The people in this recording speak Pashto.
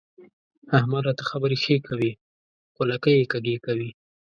احمده! ته خبرې ښې کوې خو لکۍ يې کږې کوي.